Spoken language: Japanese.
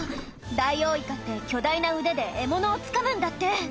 ダイオウイカって巨大な腕で獲物をつかむんだって！